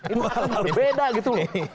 ini hal berbeda gitu loh